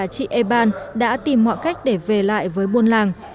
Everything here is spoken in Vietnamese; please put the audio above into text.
chị eban đã tìm mọi cách để về lại với buôn làng